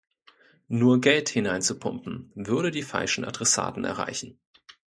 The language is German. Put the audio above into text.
Nur Geld hineinzupumpen, würde die falschen Adressaten erreichen.